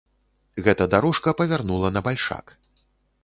Гэта дарожка павярнула на бальшак.